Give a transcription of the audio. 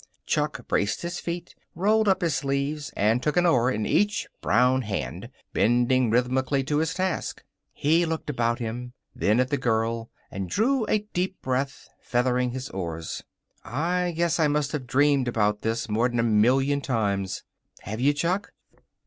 Chuck braced his feet, rolled up his sleeves, and took an oar in each brown hand, bending rhythmically to his task. He looked about him, then at the girl, and drew a deep breath, feathering his oars. "I guess I must have dreamed about this more'n a million times." "Have you, Chuck?"